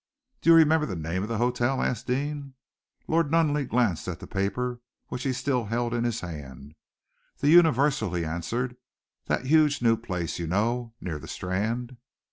"Do you remember the name of the hotel?" asked Deane. Lord Nunneley glanced at the paper which he still held in his hand. "The Universal," he answered, "that huge new place, you know, near the Strand."